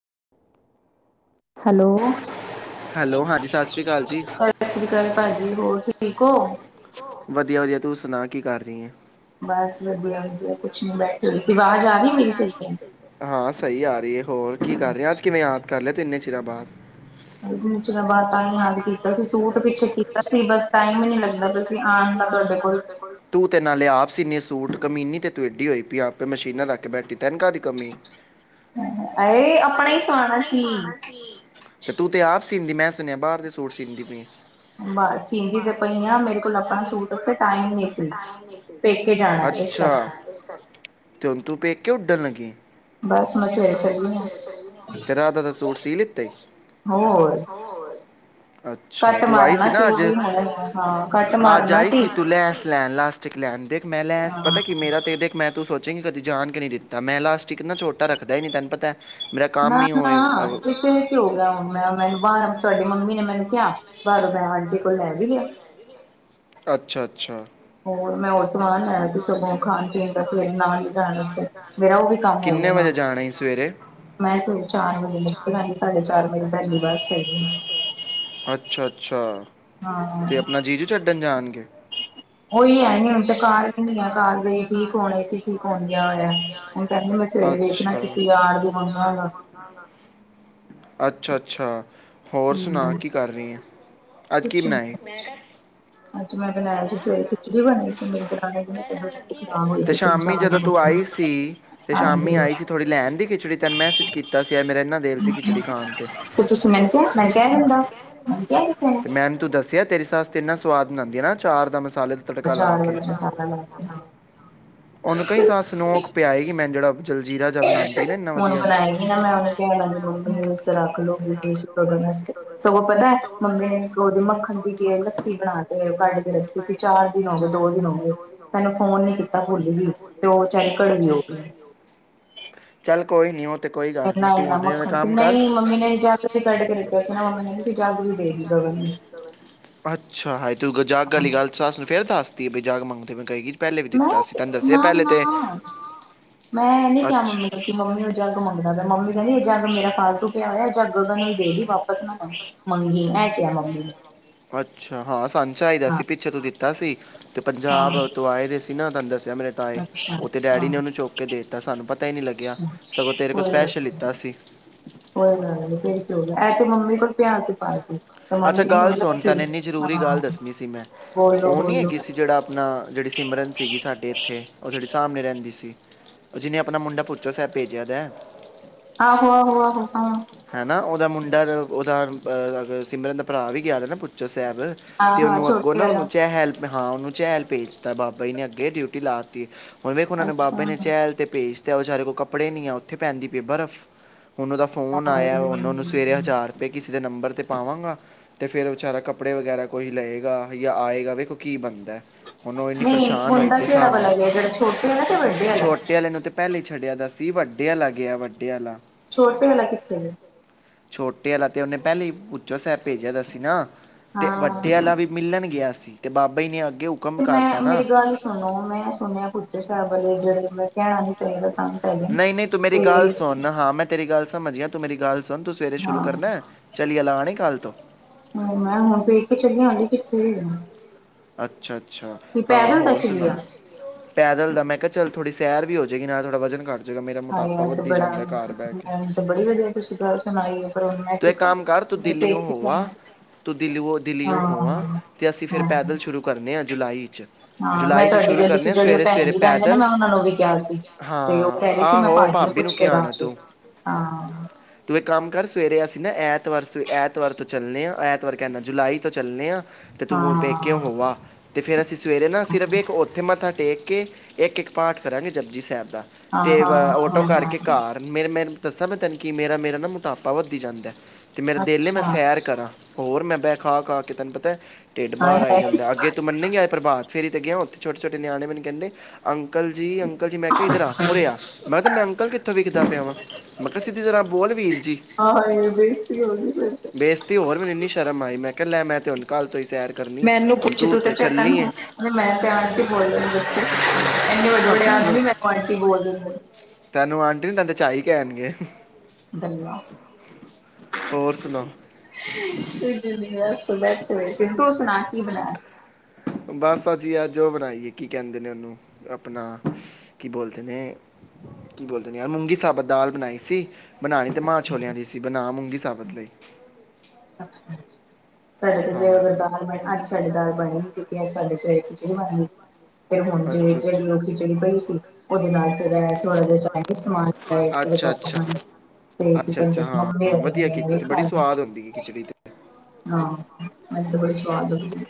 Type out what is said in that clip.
[unintelligible] Hello, hello ਹਾਂਜੀ ਸ਼੍ਰੀ ਅਕਾਲ ਜੀ ਸਤਿ ਸ਼੍ਰੀ ਅਕਾਲ ਭਾਜੀ ਹੋਰ ਠੀਕ ਔ? ਵਧੀਆ, ਵਧੀਆ। ਤੂੰ ਸੁਣਾ, ਕੀ ਕਰ ਰਹੀ ਏ? ਬਸ ਵਧੀਆ ਵਧੀਆ ਕੁਛ ਨੀ ਬੈਠੇ ਹੋਏ ਸੀ ਆਵਾਜ਼ ਆ ਰਹੀ ਮੇਰੀ ਸਹੀ ਹਾਂ, ਸਹੀ ਆ ਰਹੀ ਹੈ, ਹੋਰ ਕੀ ਕਰ ਰਯਾ ਅੱਜ ਕਿਵੇਂ ਯਾਦ ਕਰ ਲਿਆ ਤਿੰਨੇ? ਚੀਰਾਂ ਬਾਦ। ਚੀਰਾਂ ਬਾਅਦ ਤਾਂ ਯਾਦ ਕੀਤਾ ਸੀ ਸੂਟ, ਪਿੱਛੇ ਕੀਤਾ ਸੀ ਬਸ ਟਾਈਮ ਹੀ ਨੀ ਲੱਗਦਾ ਆਉਣ ਦਾ ਤੁਹਾਡੇ ਕੋਲ। ਤੂੰ ਤੇ ਨਾਲੇ ਆਪ ਸੀਨੀ ਏ ਸੂਟ, ਕਮੀਨੀ ਤੇ, ਤੂੰ ਏਡੀ ਹੋਈ ਪ ਆਪੇ, ਮਸ਼ੀਨਾਂ ਰੱਖ ਕੇ ਬੈਠੀ। ਤੈਨੂੰ ਕਾਹਦੀ ਕਮੀ ਹਾਏ ਆਪਣਾ, ਹੀ ਸੁਆਨਾ ਸੀ। ਸੀਦੀ ਮੈਂ ਸੁਣਿਆ, ਬਾਹਰ। ਸੂਟ, ਸੀਂਦੀ ਪਈ। ੇ ਚੀਂਦੀ ਤੇ ਪਈ ਆ ਮੇਰੇ ਕੋਲ ਆਪਣਾ ਸੂਟ ਵਾਸਤੇ ਟਾਈਮ ਨਹੀਂ ਸੀ। ਪੇਕੇ ਜਾਣਾ ਇਸ ਕਰਕੇ [unintelligible] ਤੇੰ ਤੂੰ ਪੇਕੇ ਉੱਡਣ, ਲੱਗੀ ਏ। ਬਸ ਮੈਂ ਸਵੇਰੇ ਚੱਲੀ ਹਾਂ ਤੇ ਰਾਧਾ, ਦਾ ਸੂਟ ਸੀ ਲਿੱਤੇ। ਹੋਰ। ਕੱਟ ਮਾਰਨਾ ਸੀ, ਉਹ ਵੀ ਹੁਣ? ਹਾਂ, ਕੱਟ। ਆਜ ਆਈ ਸੀ ਤੂੰ ਲੈਂਸ ਲੈਨ, ਲਾਸਟਿਕ ਲੈਨ, ਦੇਖ ਮੈਂ ਲੈਂਸ ਹਾਂ ਪਤਾ ਕੀ ਮੇਰਾ ਤੇ ਦੇਖ ਮੈਂ ਤੂੰ ਸੋਚੇਂਗੀ ਕਦੀ ਜਾਨ ਕੇ ਨੀ ਦਿੱਤਾ, ਮੈਂ ਲਾਸਟਿਕ ਨਾ ਛੋਟਾ ਰੱਖਦਾ ਈ ਨੀ ਤੈਨ ਪਤੈ। ਨਾ-ਨਾ ਇਥੇ ਕਿ ਹੋ ਗਿਆ। ਮੈਂ ਮੈਨੂੰ ਬਾਹਰੋਂ ਤੁਹਾਡੀ ਮੰਮੀ ਨੇ ਮੈਨੂੰ ਕਿਹਾ, ਬਾਹਰੋਂ ਮੈਂ ਆਟੀ ਕੋਲ ਲੈ ਵੀ ਗਿਆ। ਅੱਛਾ-ਅੱਛਾ। ਹੋਰ ਮੈਂ ਹੋਰ ਸਾਮਾਨ ਲੈਣਾ ਸੀ। ਸਗੋ ਖਾਣ -ਪੀਣ ਦਾ ਸਵੇਰੇ ਨਾਲ ਲੈ ਜਾਣ ਵਾਸਤੇ। ਮੇਰਾ ਉਵੀ ਕੰਮ ਹੋ ਕਿੰਨੇ ਜਾਣਾ। ਵਜੇ ਸੀ ਸਵੇਰੇ ਮੈ ਸਗੋਂ ਚਾਰ ਵਜੇ ਸਾਡੇ ਚਾਰ ਵਜੇ ਪਹਿਲੀ ਬਸ ਅੱਛਾ ਸੀ। ਅੱਛਾ ਹਾਂ। ਤੇ ਆਪਣਾ ਜੀਜੂ ਛੱਡਣ ਜਾਣਗੇ। ਉਹੀ ਹੈ ਨੀ ਹੁਣ ਤੇ ਕਾਰ ਰਹਿੰਦੀ ਆ ਕਾਰ ਠੀਕ ਹੋਂਣੇ ਸੀ, ਠੀਕ ਹੋਣ ਗਿਆ ਹੋਇਆ, ਹੁਣ ਕਹਿੰਦੀ ਮੈਂ ਸਵੇਰੇ ਵੇਖਣਾ ਅੱਛਾ ਕਿਸੇ ਯਾਰ ਦੀ ਮੰਗਗਾਂਗਾ। ਅੱਛਾ- ਅੱਛਾ। ਹੋਰ ਸੁਣਾ ਕੀ ਕਰ ਰਹੀ ਏ ਅੱਜ ਕੀ ਕੁਛ ਬਣਾਇਆ ਏ? ਅੱਜ ਮੈਂ ਬਣਾਇਆ ਸੀ ਸਵੇਰੇ ਖਿਚੜੀ ਬਣਾਈ ਸੀ ਮੇਰੀ ਦਰਾਣੀ ਦੀ ਨਾ ਤਬੀਅਤ ਬੜੀ ਖ਼ਰਾਬ ਹੋਈ ਤੇ ਸੀ ਤਿੰਨ ਚਾਰ ਸ਼ਾਮੀ ਜਦੋਂ ਦਿਨ ਤੂੰ ਤੋਂ। ਆਈ ਸੀ ਤੇ ਸ਼ਾਮੀ ਹਾਂਜੀ ਆਈ ਸੀ ਥੋੜੀ ਲੈ ਆਦੀ ਖਿਚੜੀ ਤੈਨੂੰ ਮੈਸਜ ਕੀਤਾ ਸੀ। ਅੱਜ ਮੇਰਾ ਇਨਾ ਦਿਲ ਸੀ ਖਿਚੜੀ ਖਾਣ ਤੇ ਤੁਸੀਂ ਮੈਨੂੰ ਕਿਹਾ ਮੈਂ ਕਿਹਾ ਦਿੰਦਾ ਮੈਂ ਕਿਹਾ ਕਿਥੇ ਨੇ ਤੇ ਮੈਨੂੰ ਤੂੰ ਦੱਸਿਆ। ਤੇਰੀ ਸੱਸ ਤਾ ਇਨਾ ਸਵਾਦ। ਬਣਾਉਂਦੀ ਨਾ ਆਚਾਰ। ਦਾ ਮਸਾਲੇ ਦਾ ਤੜਕਾ ਲਾ ਅਚਾਰ ਕੇ ਵਾਲਾ ਮਸਾਲਾ ਲਾ ਕੇ ਹਾਂ। ਉਹਨੂੰ ਕਈ ਸਾਲ ਸਨੋਕ ਪਿਆਏਗੀ ਮੈਂ ਜਿਹੜਾ। ਜਲਜੀਰਾ ਜਿਹਾ ਬਣਾਉਂਦੀ ਨਾ ਇੰਨਾ ਹੁਣ ਵਧੀਆ ਬਣਾਏਗੀ ਨਾ ਮੈਂ ਉਹਨੂੰ ਪਿਆ ਆਦੀ ਮੰਮੀ ਨੂੰ ਰੱਖ ਲਉ ਗਗਨ ਵਾਸਤੇ ਸਗੋਂ ਪਤਾ ਮੰਮੀ ਨੇ ਉਹਦੇ ਮੱਖਣ ਦੀ ਲੱਸੀ ਬਣਾ। [inaudible] ਕੇ ਕੱਢ ਬਣਾ ਕੇ ਰੱਖੀ ਸੀ ਚਾਰ ਦਿਨ ਤੇ ਹੋ ਗਏ ਚਾਰ ਦੋ ਦਿਨ ਹੋ ਗਏ ਦੋ ਦਿਨ ਹੋ ਗਏ ਤੈਨੂੰ ਫੋਨ ਨੀ ਤੈਨੂੰ ਫੋਨ ਭੁੱਲ ਨੀ ਕੀਤਾ ਗਈ ਭੁੱਲ ਤੇ ਵੀ ਉਹ ਵਿਚਾਰੀ ਤੇ ਉਹ ਕੜਵੀ ਹੋ ਵਿਚਾਰੀ ਗਈ। ਘੜੀ ਹੋਗੀ। ਚੱਲ ਕੋਈ ਨੀ ਕਢਨਾ ਇੰਨਾ ਮੱਖਣ ਸੀ ਨਈਂ ਮੰਮੀ ਨੇ ਜਦ ਵੀ ਕੱਢ ਕੇ ਦਿੱਤਾ ਸੀ ਨਾ ਮੰਮੀ ਕਹਿੰਦੀ ਸੀ ਜੱਗ ਵੀ ਦੇ ਦੀ ਗਗਨ ਨੁ। ਜੱਗ ਆਲੀ ਗੱਲ ਸੱਸ ਨੂੰ ਫੇਰ ਦੱਸਦੀ ਐ ਬਈ ਜੱਗ [unintelligible] ਮੈਂ ਨਾ ਨਾ ਮੈਂ ਨੀ ਕਿਹਾ ਅੱਛਾ ਮੰਮੀ ਨੂੰ ਕਿ ਮੰਮੀ ਉਹ ਜੱਗ ਮੰਗਦਾ ਪਿਆ ਤੇ ਮੰਮੀ ਕਹਿੰਦੀ। ਜੱਗ ਮੇਰਾ ਫਾਲਤੂ ਪਿਆ ਹੋਇਆ ਜੱਗ ਉਹਨਾ ਨੂੰ ਦੇ ਦੀ ਵਾਪਸ ਨਾ ਮੰਗੀ ਐ ਕਿਹਾ ਮੰਮੀ ਨੇ। ਅੱਛਾ ਹਾਂ ਸਾਨੂੰ ਚਾਹੀਦਾ ਹਾਂ ਸੀ ਪਿੱਛੇ ਤੂੰ ਦਿੱਤਾ ਸੀ। ਤੇ ਹਾਂ ਪੰਜਾਬ ਤੋਂ ਆਏ ਦੇ ਸੀ। ਕਿੰਨਾ ਕਰਦਾ ਸੀ। ਜਾਂ ਮੇਰੇ ਤਾਏ ਅੱਛਾ ਉੱਥੇ ਹਾਂ ਡੈਡੀ ਨੇ ਉਹਨੂੰ ਚੁੱਕ ਕੇ ਦੇ ਦਿੱਤਾ ਸਾਨੂੰ ਪਤਾ ਹੀ ਨਹੀਂ ਲੱਗਿਆ ਅੱਛਾ ਸਗੋਂ ਤੇਰੇ ਕੋਲ ਕੋਈ ਗੱਲ ਸਪੈਸ਼ਲ ਨੀ ਲਿੱਤਾ ਸੀ। ਕੋਈ ਗੱਲ ਨਹੀਂ ਫਿਰ ਕੀ ਹੋ ਗਿਆ ਐ ਤੇ ਮੰਮੀ ਕੋਲ ਪਿਆ ਸੀ ਫਾਲਤੂ। ਤੇ ਅੱਛਾ ਮੰਮੀ ਕਹਿੰਦੀ ਗੱਲ ਹੁਣ ਸੁਣ ਲੱਸੀ ਤੈਨੂੰ ਇੰਨੀ ਜ਼ਰੂਰੀ ਹਾਂ ਗੱਲ ਦੱਸਣੀ ਸੀ ਮੈਂ ਉਹ ਨਹੀਂ ਬੋਲੋ-ਬੋਲੋ ਹੈਗੀ ਸੀ ਜਿਹੜਾ ਆਪਣਾ ਜਿਹੜੀ ਸਿਮਰਨ ਸੀਗੀ ਸਾਡੇ ਇੱਥੇ । ਜਿਹੜੀ ਸਾਹਮਣੇ ਰਹਿੰਦੀ ਸੀ ਉਹ ਜਿਹਨੇ ਆਪਣਾ ਮੁੰਡਾ ਪੁੱਛੋ ਸਾਹਿਬ ਭੇਜਿਆ ਹੋਇਆ। ਆਹੋ ਆਹੋ ਆਹੋ ਹਾਂ। ਹਨਾ ਉਹਦਾ ਮੁੰਡਾ ਉਹਦਾ ਅਹ ਸਿਮਰਨ ਦਾ ਭਰਾ ਵੀ ਗਿਆ ਹੋਇਆ ਨਾ ਪੁੱਛੋ ਸਾਹਿਬ। ਸਾਹਿਬ ਤੇ ਹਾਂ-ਹਾਂ ਉਹਨੂੰ ਅੱਗੋਂ ਛੋਟੀ ਨਾ ਵਾਲਾ ਉਹਨੂੰ ਚਹਿਲ ਮੈਂ ਹਾਂ ਉਹਨੂੰ ਚਹਿਲ ਭੇਜਤਾ ਬਾਬਾ ਜੀ ਨੇ ਅੱਗੇ ਡਿਊਟੀ ਲਾ ਦਿੱਤੀ। ਹੁਣ ਵੇਖੋ ਉਹਨਾਂ ਨੇ ਬਾਬੇ ਨੇ ਚਹਿਲ ਤੇ ਭੇਜ। ਤੇ ਵਿਚਾਰੇ ਕੋਲ ਕੱਪੜੇ ਨਹੀਂ ਆ ਉੱਥੇ ਪੈਂਦੀ ਪਈਆ ਬਰਫ਼ ਹੁਣ ਉਹਦਾ ਫੋਨ ਪਾਇਆ ਉਹਨਾਂ ਨੂੰ ਸਵੇਰੇ ਅੱਛਾ ਹਜ਼ਾਰ ਰੁਪਏ ਕਿਸੇ। ਦੇ ਨੰਬਰ ਤੇ ਪਾਵਾਂਗਾ ਤੇ ਫਿਰ ਵਿਚਾਰਾ ਕੱਪੜੇ ਵਗੈਰਾ ਕੋਈ ਲਏਗਾ ਯਾਂ ਆਏਗਾ ਵੇਖੋ ਕੀ ਬਣਦਾ? ਹੁਣ ਉਹ ਇੰਨੀ ਨਹੀਂ ਪਰੇਸ਼ਾਨ ਹੋਈ ਮੁੰਡਾ ਪਈ ਕਿਹੜਾ ਸਾਹਮਣੇ ਵਾਲਾ ਗਿਆ ਜਿਹੜਾ ਛੋਟੇ ਵਾਲਾ ਤੇ ਵੱਡੇ ਵਾਲਾ ਛੋਟੇ ਵਾਲੇ ਨੂੰ ਤੇ ਪਹਿਲੇ। ਛੱਡਿਆ ਦਾ ਸੀ ਵੱਡੇ ਵਾਲਾ ਗਿਆ ਵੱਡੇ ਵਾਲਾ। ਛੋਟੇ ਵਾਲਾ ਕਿੱਥੇ ਗਿਆ? ਛੋਟੇ ਵਾਲਾ ਤੇ ਉਹਨੇ ਪਹਿਲੇ ਭੁੱਚੋ ਸਾਹਿਬ ਭੇਜਿਆ ਤਾਂ ਸੀ ਨਾ। ਤੇ ਹਾਂ ਵੱਡੇ ਵਾਲਾ ਵੀ ਮਿਲਣਨ। ਗਿਆ ਸੀ ਤੇ ਬਾਬਾ ਜੀ ਨੇ ਅੱਗੇ। ਹੁਕਮ ਤੇ ਕਰਤਾ ਮੈਂ ਨਾ ਮੇਰੀ ਗੱਲ ਸੁਣੋ ਮੈਂ ਸੁਣਿਆ ਬੁੱਢੇ ਸਾਹਿਬ ਵਾਲੇ ਜਿਹੜੇ। ਕਿਹਨਾ ਨਹੀ ਚਾਹੀਦਾ ਸੀ। ਨਹੀਂ ਨਹੀਂ ਤੂੰ ਮੇਰੀ ਗੱਲ ਸੁਣ ਨਾਂ ਹਾਂ ਮੈਂ ਤੇਰੀ ਗੱਲ। ਸਮਝ ਗਿਆ ਤੂੰ ਮੇਰੀ ਗੱਲ ਸੁਣ। ਤੂੰ ਸਵੇਰੇ ਸ਼ੁਰੂ ਹਾਂ ਕਰਨਾ ਚਲੀਅ ਲਾਨੀ ਕੱਲ੍ਹ ਤੋਂ। ਕੀਤੋ ਲਿਆਂਦੀ ਕਿੱਥੋ ਲੈ। ਅੱ। ਅੱਛਾ ਅੱਛਾ ਹਾਂ ਹੋਰ ਚਲੀ ਸੁਣਾ। ਆ ਪੈਦਲ ਦਾ ਮੈਂ ਕਿਹਾ ਚਲ ਥੋੜ੍ਹੀ ਸੈਰ ਵੀ ਹੋਵੇਗੀ ਨਾਲੇ ਥੋੜ੍ਹਾ ਵਜਨ ਘੱਟ। ਹਾਏ ਇਹ ਤੇ ਬੜਾ ਮੈਨੂੰ ਬੜੀ ਵਧੀਆ ਤੁਸੀਂ ਗੱਲ ਸੁਣਾਈ ਆ ਪਰ ਮੈਂ ਹੁਣ ਤੂੰ ਕੀ ਇੱਕ ਕਰਾਂ ਕੰਮ ਕਰ ਤੂੰ ਮੈਂ ਕਈ ਦਿੱਲੀੋਂ ਚੀਜਾਂ ਹੋਵਾ ਤੂੰ ਦਿੱਲੀੋਂ ਹਾਂ ਦਿੱਲੀੋਂ ਹੋਵਾ ਤੇ ਅਸੀਂ ਫਿਰ ਹਾਂ। ਪੈਦਲ ਸ਼ੁਰੂ ਕਰਦੇ ਆ ਜੁਲਾਈ ਚ, ਹਾਂ ਮੈਂ ਜੁਲਾਈ 'ਚ ਤੁਹਾਡੀ ਸ਼ੁਰੂ ਦਿਲ ਚ ਕਰਨੇ ਆ ਜਿਹੜੀ ਉਹ ਸਵੇਰੇ ਭੈਣ ਸਵੇਰੇ ਵੀ ਰਹਿੰਦੇ ਨੇ ਪੈਦਲ ਮੈਂ ਉਹਨਾਂ ਨੂੰ ਵੀ ਕਿਹਾ ਸੀ ਤੇ ਉਹ ਹਾਂ ਕਹਿ ਰਹੀ ਸੀ ਮੈਂ ਆਹੋ ਭਾਜੀ ਨੂੰ ਭਾਬੀ ਪੁੱਛ ਕੇ ਕਿਹਾ ਆਉਣਾ ਦਵਾਗੀ ਤੂੰ ਹਾਂ, ਤੂੰ ਇਹ ਕੰਮ ਕਰ ਸਵੇਰੇ ਅਸੀਂ ਨਾ ਐਤਵਾਰ ਐਤਵਾਰ ਤੋਂ ਚੱਲੇ ਹਾਂ ਐਤਵਾਰ ਕਹਿੰਦਾ ਜੁਲਾਈ ਤੋਂ ਚੱਲੇ ਹਾਂ। ਤੇ ਹਾਂ। ਤੁੰ, ਪੇਕੇ ਹਾਂ ਹੋ ਆ, ਅਤੇ ਫਿਰ ਅਸੀਂ, ਸਵੇਰੇ ਨਾ ਸਿਰਫ ਹਾਂ ਇੱਕ ਉੱਥੇ ਮੱਥਾ ਟੇਕ ਕੇ ਇੱਕ ਇੱਕ ਪਾਠ ਕਰਾਂਗੇ ਜਪਜੀ ਸਾਹਿਬ, ਹਾਂ ਤੇ ਹਾਂ ਔਟੋ ਹਾਂ ਕਰਕੇ ਘਰ ਮੇਰੇ ਮੇ ਦੱਸਾਂ ਮੈਂ ਤੈਨੂੰ ਕਿ ਮੇਰਾਮੇਰਾ ਨਾ ਮੋਟਾਪਾ ਵੱਧਦੀ ਜਾਂਦਾ। ਅਤੇ ਮੇਰਾ ਦਿਲ ਮੈਂ ਅੱਛਾ ਸੈਰ ਕਰਾਂ ਹੋਰ ਮੈ ਬਹਿ ਖਾ ਖਾ ਕੇ ਤੈਨੂੰ ਪਤਾ ਢਿੱਡ ਹਾਏ ਬਾਹਰ ਆਈ ਹਾਏ ਜਾਂਦਾ ਅੱਗੇ ਤੁੰ ਮੰਨੇਗੀ ਅੱਜ ਭਰਵਾਤ ਫੇਰੀ ਗਿਆ ਉਥੇ ਛੋਟੇ-ਛਟੇ, ਨਿਆਣੇ ਬਣ ਜਾਂਦੇ ਅੰਕਲ ਜੀ ਅੰ ਅੰਕਲ ਜੀ ਮੈਂ ਕਿਹਾ ਇੱਧਰ ਆ ਉਰੇ ਆ ਮੈਂ ਕਿਹਾ ਤੇ ਮੈਂ ਅੰਕਲ ਕਿੱਥੋਂ ਵੀਖਦਾ ਪਿਆ ਵਾਂ ਮੈਂ ਕਿਹਾ ਸਿੱਧੀ ਤਰ੍ਹਾਂ ਬੋਲ ਵੀਰ ਜੀ ਹਾਏ ਬੇਸਤੀ ਹੋ ਗਈ ਫਿਰ ਤੇ। ਬੇਸਤੀ ਹੋਰ ਮੈਨੂੰ ਇੰਨੀ ਸ਼ਰਮ ਆਈ ਮੈਂ ਕਿਹਾ ਲੈ ਮੈਂ ਹੁਨ ਕੱਲ ਤੋਂ ਹੀ ਸੈਰ, ਕਰਨੀ ਹੈ ਮੈਨੂੰ ਹੁਣ ਪੁੱਛ ਤੂੰ ਤੇ ਚੱਲਣੀ ਹੈ ਮੈਂ ਤੇ ਆਂਟੀ ਬੋਲਦੇ ਬੱਚੇ ਇਨੇ ਵੱਡੇ ਵਡੇ ਤੈਨੂੰ ਆਦਮੀ ਮੈਨੂੰ ਆਂਟੀ ਬੋਲ ਦਿੰਦੇ। ਤੈਨੂੰ ਚਾਈ ਕਹਿਣਗੇ। ਹੋਰ ਸੁਣਾਓ ਬੈਠੇ ਸੀ ਤੂੰ ਸੁਣਾ, ਕੀ ਬਣਾਇਆ, ਬਸ ਅਸੀ ਅੱਜ ਔ ਬਣਾਈ ਏ ਕੀ ਕਹਿੰਦੇ ਨੇ ਉਹਨੂੰ ਆਪਣਾ ਕੀ ਬੋਲਦੇ ਨੇ ਕੀ ਬੋਲਦੇ ਨੇ ਯਾਰ ਮੂੰਗੀ ਸਾਬਤ ਦਾਲ ਬਣਾਈ ਸੀ। ਬਣਾਣੀ ਤੇ ਮਾਂ ਅੱਛਾ ਛੋਲਿਆਂ ਦੀ ਸੀ, ਬਣਾ ਮੂੰਗੀ ਸਾਬਤ ਲਈ ਅੱਛਾ ਸਾਡੇ ਤੇ ਜੇ ਹਾਂ ਅਗਰ ਦਾਲ ਬਣ ਅੱਜ ਸਾਡੇ ਦਾਲ ਬਣੀ। ਰਹਿਣਾ ਫਿਰ ਹੁਣ ਜੇ ਅੱਛਾ ਜਿਹੜੀ ਉਹ ਖਿਚੜੀ ਪਈ ਸੀ। ਉਹਦੇ ਨਾਲ, ਜਿਹੜਾ ਥੋੜਾ ਜਿਹਾ ਚਗੇ ਸਮਾਨ ਅੱਛਾ ਅੱਛਾ ਅੱਛਾ ਅੱਛਾ ਅੱਛਾ ਹਾਂ ਹਾਂ ਵਧੀਆ ਕੀਤਾ ਤੇ ਬੜੀ ਸਵਾਦ ਹੁੰਦੀ ਹੈ ਖਿਚੜੀ ਤੇ ਹਾਂ ਮੈਨੁੰ ਤੇ ਬੜੀ ਸਵਾਦ ਲਗਦੀ ਐ।